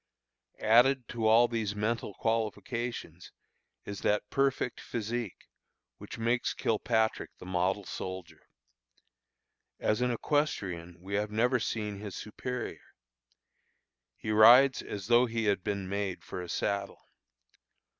Added to all these mental qualifications, is that perfect physique, which makes Kilpatrick the model soldier. As an equestrian we have never seen his superior. He rides as though he had been made for a saddle.